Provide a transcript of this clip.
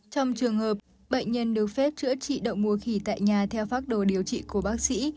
trong trường hợp bệnh nhân được phép chữa trị đậu mùa khỉ tại nhà theo phác đồ điều trị của bác sĩ